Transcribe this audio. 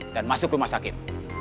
dan masuk rumah sakit